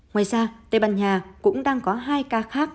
ngoài ra tây ban nha cũng đang có hai ca khác